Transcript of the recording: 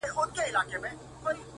محلونه په جرگو کي را ايسار دي!!